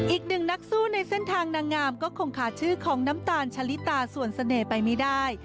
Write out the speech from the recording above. อีกหนึ่งนักสู้ในเส้นทางนางงามก็คงขาดชื่อของน้ำตาลชะลิตาส่วนเสน่ห์ไปไม่ได้